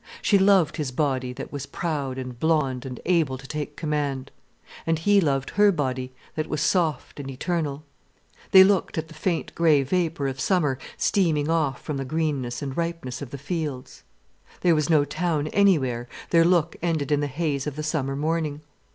She loved his body that was proud and blond and able to take command. And he loved her body that was soft and eternal. They looked at the faint grey vapour of summer steaming off from the greenness and ripeness of the fields. There was no town anywhere, their look ended in the haze of the summer morning.